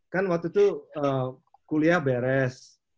kan waktu itu kuliah beres